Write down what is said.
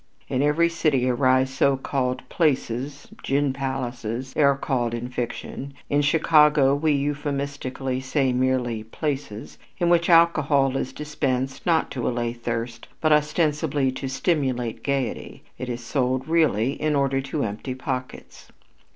In every city arise so called "places" "gin palaces," they are called in fiction; in Chicago we euphemistically say merely "places," in which alcohol is dispensed, not to allay thirst, but, ostensibly to stimulate gaiety, it is sold really in order to empty pockets.